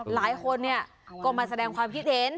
หลายคนก็มาแสดงความคิดเห็น